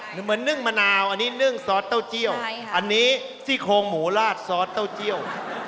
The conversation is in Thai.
เหมือนนึ่งมะนาวอันนี้นึ่งซอสเต้าเจียวอันนี้ซี่โครงหมูลาดซอสเต้าเจี่ยว